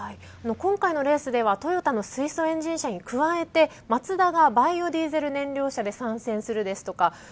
今回のレースでは、トヨタの水素エンジン車に加えてマツダがバイオディーゼル燃料車で参戦します。